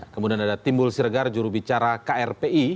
kemudian ada timbul siregar jurubicara krpi